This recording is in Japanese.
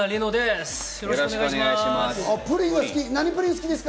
よろしくお願いします！